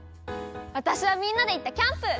わたしはみんなでいったキャンプ！